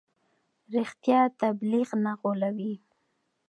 رښتیا تبلیغ نه غولوي.